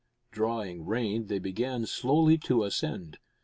Drawing rein, they began slowly to ascend.